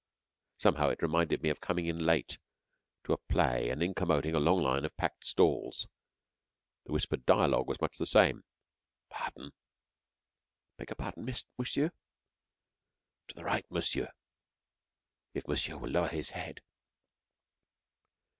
Somehow it reminded me of coming in late to a play and incommoding a long line of packed stalls. The whispered dialogue was much the same: "Pardon!" "I beg your pardon, monsieur." "To the right, monsieur." "If monsieur will lower his head."